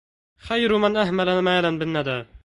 خير من أهمل مالا بالندى